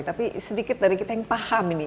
tapi sedikit dari kita yang paham ini